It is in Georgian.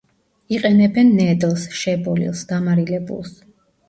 იყენებენ ნედლს, შებოლილს, დამარილებულს.